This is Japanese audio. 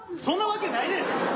そんなわけないでしょ。